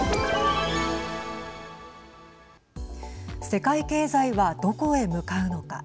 世界経済はどこへ向かうのか。